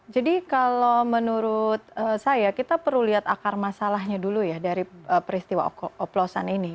jadi kalau menurut saya kita perlu lihat akar masalahnya dulu ya dari peristiwa oplosan ini